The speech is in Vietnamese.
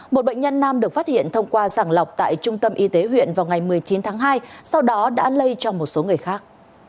một bệnh nhân nam được phát hiện thông qua giảng lọc tại trung tâm y tế huyện vào ngày một mươi chín tháng hai sau đó đã lây cho một số người khác